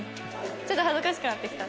ちょっと恥ずかしくなってきた。